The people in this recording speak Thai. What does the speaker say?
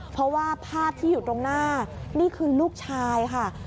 เพราะว่าภาพที่อยู่ตรงหน้านี่คือลูกชายค่ะ